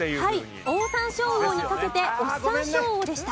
はいオオサンショウウオにかけてオッサンショウオでした。